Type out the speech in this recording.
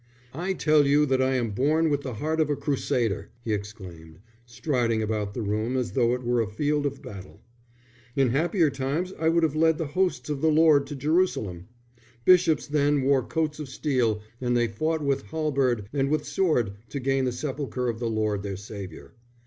"I tell you that I am born with the heart of a crusader," he exclaimed, striding about the room as though it were a field of battle. "In happier times I would have led the hosts of the Lord to Jerusalem. Bishops then wore coats of steel and they fought with halberd and with sword to gain the Sepulchre of the Lord their Saviour.